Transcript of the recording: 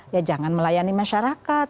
ya jangan melayani masyarakat